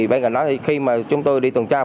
bên cạnh đó khi mà chúng tôi đi tuần trước